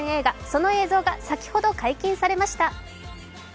その映像が先ほど解禁されました。